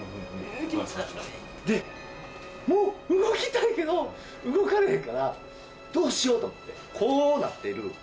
気持ち悪いでもう動きたいけど動かれへんからどうしようと思ってこうなってる